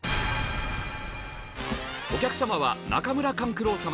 お客様は中村勘九郎様。